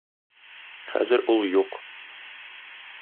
Хәзер ул юк.